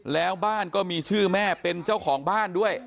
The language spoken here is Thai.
แล้วบ้านก็มีชื่อแม่เป็นเจ้าของบ้านด้วย